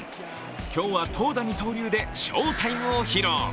今日は投打二刀流で翔タイムを披露。